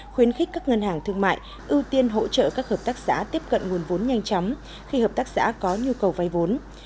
khuyến khích các ngân hàng thương mại ưu tiên hỗ trợ các hợp tác xã tiếp cận nguồn vốn nhanh chóng khi hợp tác xã có nhu cầu vay vốn